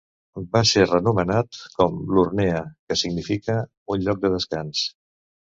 Va ser renomenat com Lurnea que significa "un lloc de descans".